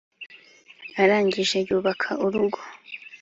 arangije yubaka urugo